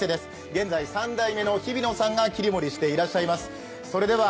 現在３代目の日比野さんが切り盛りしていらっしゃいます。